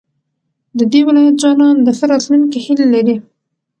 د دې ولايت ځوانان د ښه راتلونکي هيلې لري.